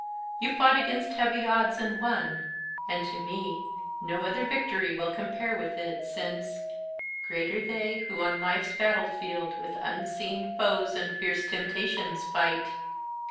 You fought against heavy odds, and won, and to me no other victory will compare with it, since 'greater they who on life's battle field With unseen foes and fierce temptations fight.'"